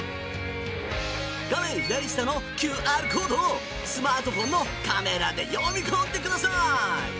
画面左下のＱＲコードをスマートフォンのカメラで読み込んでください。